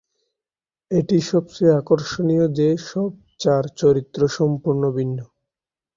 এটি সবচেয়ে আকর্ষণীয় যে সব চার চরিত্র সম্পূর্ণ ভিন্ন।